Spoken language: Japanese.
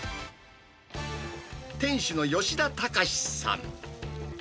店主の吉田孝史さん。